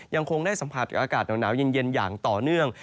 ยังคงได้สัมผัสอากาศหนาวเย็นอย่างต่อเนื่อง